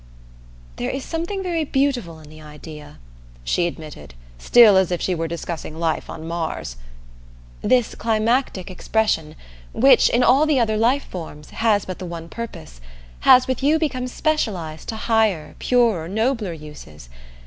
"There is something very beautiful in the idea," she admitted, still as if she were discussing life on Mars. "This climactic expression, which, in all the other life forms, has but the one purpose, has with you become specialized to higher, purer, nobler uses.